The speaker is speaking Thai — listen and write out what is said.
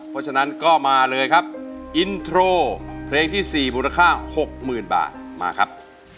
เพราะฉะนั้นก็มาเลยครับอินโทรเพลงที่๔มูลค่า๖๐๐๐บาทมาครับ